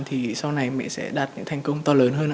thì sau này mẹ sẽ đạt những thành công to lớn hơn ạ